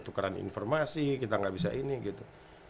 tukeran informasi kita gak bisa ini gitu